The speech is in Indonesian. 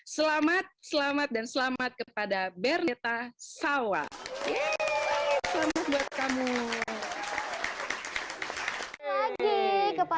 selamat selamat dan selamat kepada bernetta sawa